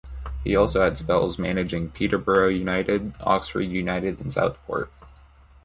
He has also had spells managing Peterborough United, Oxford United and Southport.